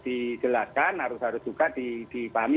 dijelaskan harus juga dipahami